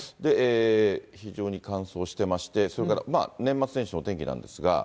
非常に乾燥してまして、それからまあ、年末年始のお天気なんです